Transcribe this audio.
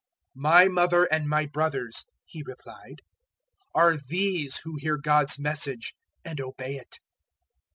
008:021 "My mother and my brothers," He replied, "are these who hear God's Message and obey it."